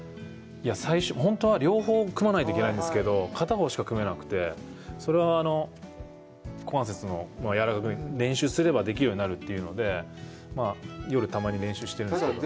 いや、本当は両方組まないといけないんですけど、片方しか組めなくて、それは、股関節やわらかくする練習をすれば、できるようになるということで、夜、たまに練習してるんですけど。